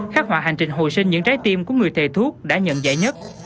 khát hỏa hành trình hồi sinh những trái tim của người thề thuốc đã nhận giải nhất